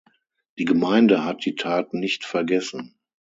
Die Gemeinde hat die Tat nicht vergessen.